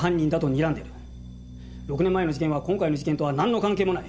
６年前の事件は今回の事件とはなんの関係もない。